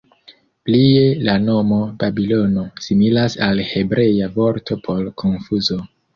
Plie la nomo "Babilono" similas al hebrea vorto por "konfuzo".